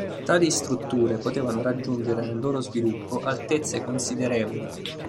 Tali strutture potevano raggiungere nel loro sviluppo altezze considerevoli.